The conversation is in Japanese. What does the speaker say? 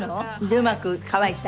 うまく乾いた？